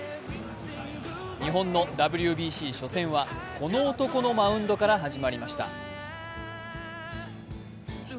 日本のＷＢＣ初戦はこの男のマウンドから始まりました。